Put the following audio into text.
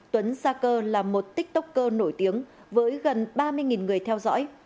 tuấn sa cơ là một tiktoker nổi tiếng với gần ba mươi người theo dõi